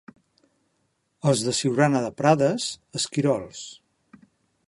Els de Siurana de Prades, esquirols.